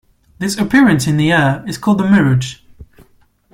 This appearance in the air is called a mirage.